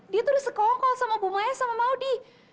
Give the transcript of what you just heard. dia itu sudah sekongkol sama bu maya dan maudie